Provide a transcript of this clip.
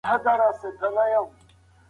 تاسو باید د پښتنو د تاریخ په اړه مطالعه وکړئ.